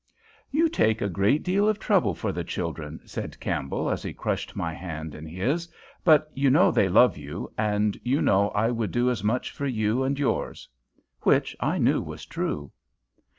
"You take a deal of trouble for the children," said Campbell, as he crushed my hand in his; "but you know they love you, and you know I would do as much for you and yours," which I knew was true.